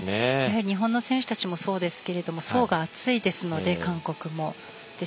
日本の選手たちもそうですけど層が厚いですので韓国も。